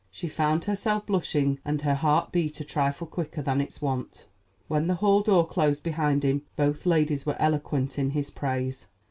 She found herself blushing, and her heart beat a trifle quicker than its wont. When the hall door closed behind him, both ladies were eloquent in his praise.